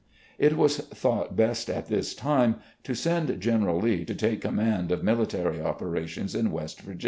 It was thought best at this time to send General Lee to take command of military operations in West Virginia.